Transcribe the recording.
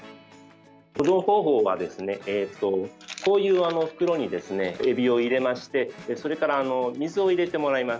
保存方法はこういう袋にエビを入れましてそれから水を入れてもらいます。